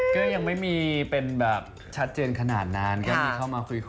ก็ยังไม่มีเป็นแบบชัดเจนขนาดนั้นก็มีเข้ามาคุย